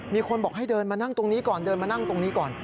มีคนบอกให้เดินมานั่งตรงนี้ก่อน